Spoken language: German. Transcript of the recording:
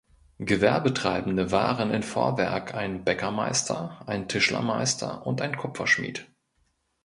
Gewerbetreibende waren in Vorwerk ein Bäckermeister, ein Tischlermeister und ein Kupferschmied.